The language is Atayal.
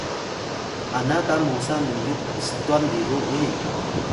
ana ta mosa miyuk pstwan biru uyi